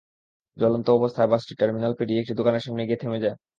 জ্বলন্ত অবস্থায় বাসটি টার্মিনাল পেরিয়ে একটি দোকানের সামনে গিয়ে থেমে যায়।